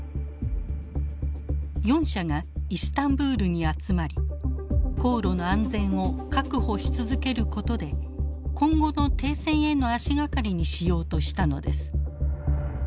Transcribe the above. ４者がイスタンブールに集まり航路の安全を確保し続けることで今後の停戦への足掛かりにしようとしたのです。